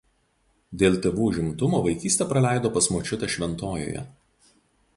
Dėl tėvų užimtumo vaikystę praleido pas močiutę Šventojoje.